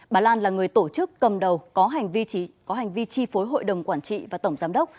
bà lan là người tổ chức cầm đầu có hành vi chi phối hội đồng quản trị và tổng giám đốc